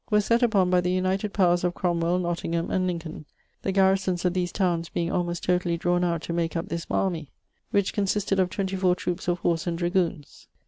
were sett upon by the united powers of Cromwell, Nottingham, and Lincolne, the garrisons of these townes being almost totally drawn out to make up this army, which consisted of 24 troupes of horse and dragoons.